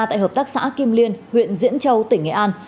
tại hợp tác xã kim liên huyện diễn châu tỉnh nghệ an